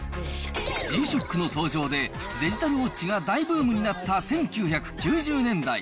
Ｇショックの登場でデジタルウォッチが大ブームになった１９９０年代。